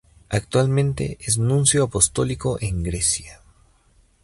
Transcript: Actualmente es Nuncio Apostólico en Grecia.